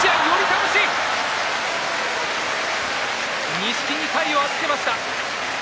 錦木、体を預けました。